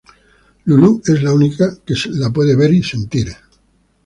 Lulu es la única que la puede ver y sentir.